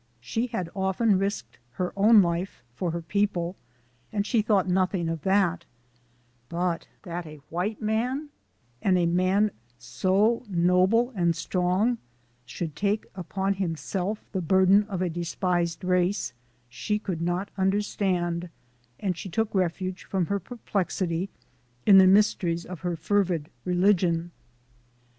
She had often risked her own life for her people, and she thought nothing of that; but that a white man, and a man so no ble and strong, should so take upon himself the burden of a despised race, she could not understand, and she took refuge from her perplexity in the mysteries of her fervid religion.